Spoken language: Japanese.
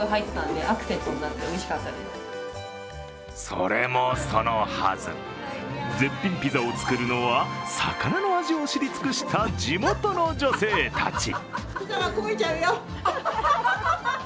それもそのはず、絶品ピザを作るのは魚の味を知り尽くした地元の女性たち。